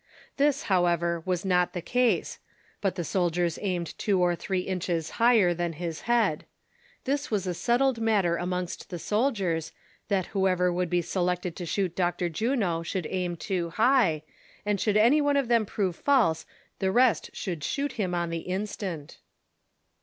This, however, was not the case ; but the soldiers aimed two or three inches higher than Iiis head. This was a set tled matter amono^st the soldiers, that whoever would be selected to shoot Dr. Juno should aim too high, and sliould THE CONSPIRATORS AND LOVERS. 367 any one of them prove false the rest should shoot him on the instant.